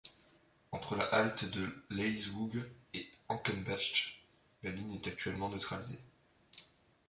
Entre la halte de l’Eiswoog et Enkenbach, la ligne est actuellement neutralisée.